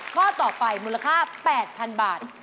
ข้อต่อไปมูลค่า๘๐๐๐บาท